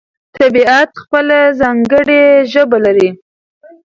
طبیعت خپله ځانګړې ژبه لري.